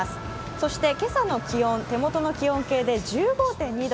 そして今朝の気温、手元の気温計で１５．２度。